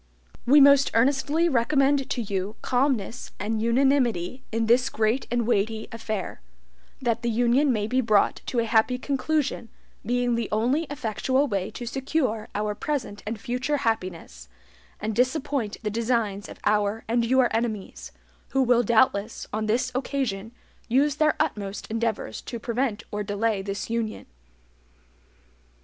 "We most earnestly recommend to you calmness and unanimity in this great and weighty affair, that the union may be brought to a happy conclusion, being the only EFFECTUAL way to secure our present and future happiness, and disappoint the designs of our and your enemies, who will doubtless, on this occasion, USE THEIR UTMOST ENDEAVORS TO PREVENT OR DELAY THIS UNION."